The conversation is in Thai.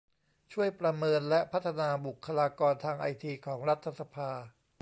ช่วยประเมินและพัฒนาบุคคลากรทางไอทีของรัฐสภา